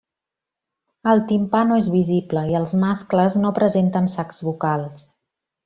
El timpà no és visible, i els mascles no presenten sacs vocals.